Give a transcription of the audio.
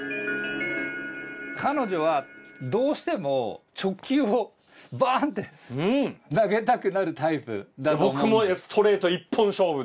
彼女はどうしても直球をバーンって投げたくなるタイプだと思うんです。